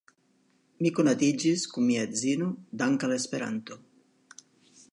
Mi konatiĝis kun mia edzino dankʼ al Esperanto.